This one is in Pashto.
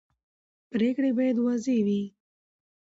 پرېکړې باید واضح وي